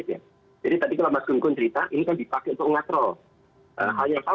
jadi tadi kalau mas gun gun cerita ini kan dipakai untuk ngatro